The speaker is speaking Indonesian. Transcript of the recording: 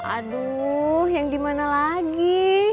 aduh yang dimana lagi